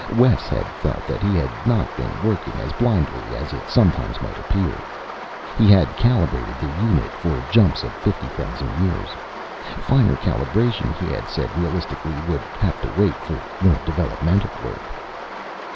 Wes had felt that he had not been working as blindly as it sometimes might appear. He had calibrated the unit for jumps of 50,000 years. Finer calibration, he had said realistically, would have to wait for more developmental work.